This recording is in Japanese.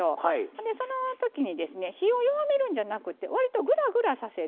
でそのときにですね火を弱めるんじゃなくて割とぐらぐらさせる。